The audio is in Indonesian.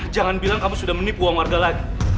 jangan bilang kamu sudah menipu uang warga lagi